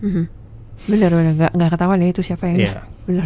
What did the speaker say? bener bener nggak ketahuan ya itu siapa yang